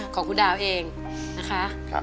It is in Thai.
ของคุณดาวเองนะคะ